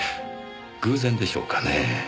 偶然でしょうかねぇ。